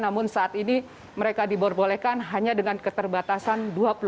namun saat ini mereka diperbolehkan hanya dengan keterbatasan